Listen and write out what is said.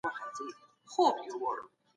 کندهاري خلګ د دودیزو بوټو څخه څنګه درمل جوړوي؟